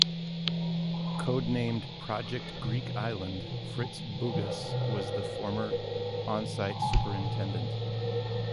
Code named "Project Greek Island", Fritz Bugas was the former onsite superintendent.